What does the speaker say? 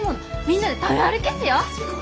みんなで食べ歩きしよう！